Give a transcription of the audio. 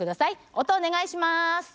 音お願いします。